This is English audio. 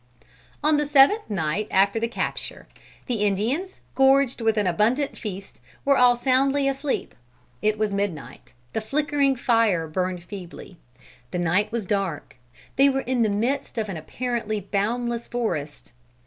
On the seventh night after the capture, the Indians, gorged with an abundant feast, were all soundly asleep. It was midnight. The flickering fire burned feebly. The night was dark. They were in the midst of an apparently boundless forest.